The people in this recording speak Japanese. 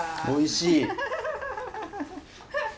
おいしい！